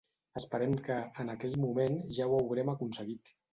Esperem que, en aquell moment, ja ho haurem aconseguit.